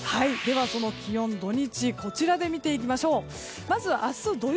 その気温、土日を見ていきましょう。